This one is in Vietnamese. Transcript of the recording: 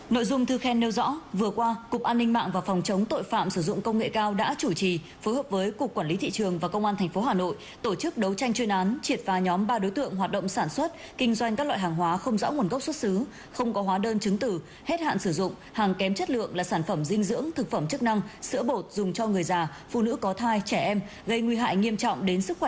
nội dung thư khen nêu rõ vừa qua cục an ninh mạng và phòng chống tội phạm sử dụng công nghệ cao đã chủ trì phối hợp với cục quản lý thị trường và công an tp hà nội tổ chức đấu tranh chuyên án triệt phá nhóm ba đối tượng hoạt động sản xuất kinh doanh các loại hàng hóa không rõ nguồn gốc xuất xứ không có hóa đơn chứng tử hết hạn sử dụng hàng kém chất lượng là sản phẩm dinh dưỡng thực phẩm chức năng sữa bột dùng cho người già phụ nữ có thai trẻ em gây nguy hại nghiêm trọng đến sức kh